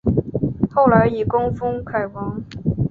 后来以功封偕王。